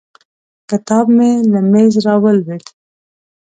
کتاب مې له مېز راولوېد.